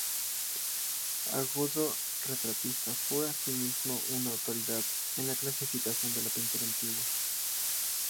Agudo retratista, fue asimismo una autoridad en la clasificación de la pintura antigua.